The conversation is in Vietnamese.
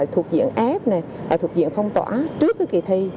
thuộc diện ép thuộc diện phong tỏa trước kỳ thi